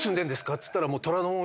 っつったら。